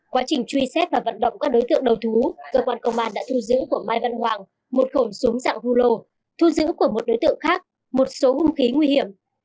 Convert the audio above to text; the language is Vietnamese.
quá trình truy xét và vận động các đối tượng đầu thú cơ quan công an đã thu giữ của mai văn hoàng một khẩu súng dạng rulo thu giữ của một đối tượng khác một số hung khí nguy hiểm